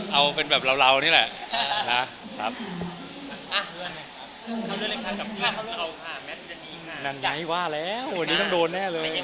เอาเป็นแบบเรานี่แหละ